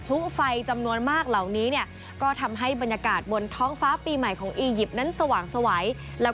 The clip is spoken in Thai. ผู้ไฟจำนวนมากเหล่านี้เนี่ย